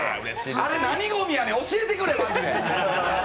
あれ、何ごみやねん、教えてくれ！！